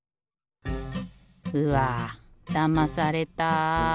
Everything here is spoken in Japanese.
うわだまされた。